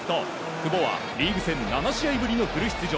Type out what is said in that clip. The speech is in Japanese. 久保はリーグ戦７試合ぶりのフル出場。